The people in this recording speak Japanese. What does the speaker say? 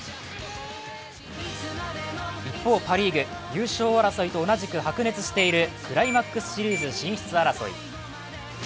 一方、パ・リーグ優勝争いと同じく白熱しているクライマックスシリーズ進出争い。